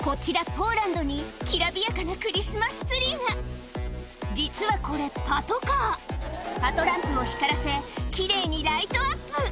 ポーランドにきらびやかなクリスマスツリーが実はこれパトカーパトランプを光らせ奇麗にライトアップ